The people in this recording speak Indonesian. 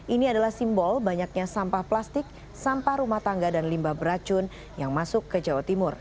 ini adalah simbol banyaknya sampah plastik sampah rumah tangga dan limbah beracun yang masuk ke jawa timur